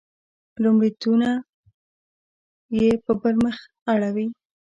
لومړیتونه یې په بل مخ اړولي.